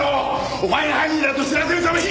お前が犯人だと知らせるために！